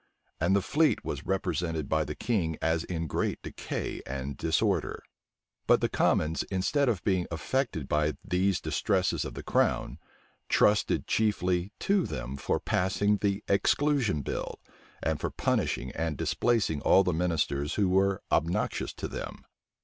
And the fleet was represented by the king as in great decay and disorder. But the commons, instead of being affected by these distresses of the crown, trusted chiefly to them for passing the exclusion bill, and for punishing and displacing all the ministers who were obnoxious to them.